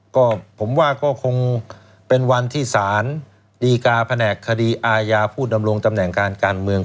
ก็ผมว่าก็คงเป็นวันที่สารดีกาแผนกคดีอาญาผู้ดำรงตำแหน่งการการเมือง